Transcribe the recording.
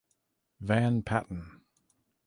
Van Patten.